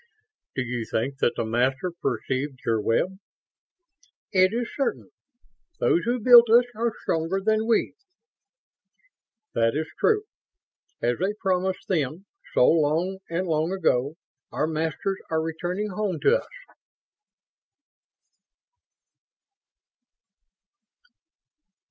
"Do you think that the Master perceived your web?" "It is certain. Those who built us are stronger than we." "That is true. As they promised, then, so long and long ago, our Masters are returning home to us."